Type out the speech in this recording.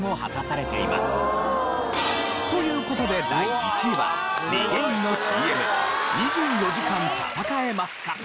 という事で第１位はリゲインのＣＭ２４時間タタカエマスカ。